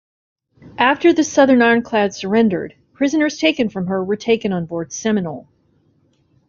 After the Southern ironclad surrendered, prisoners taken from her were taken on board "Seminole".